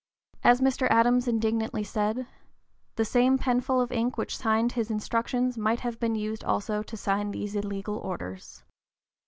As Mr. Adams indignantly said, "the same penful of ink which signed his instructions might have been used also to sign these illegal orders."